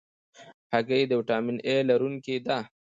هګۍ د ویټامین A لرونکې ده.